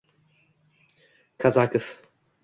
Kazakov